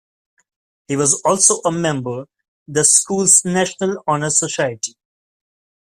He was also a member the school's National Honor Society.